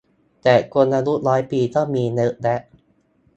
แต่คนอายุร้อยปีก็มีเยอะแยะ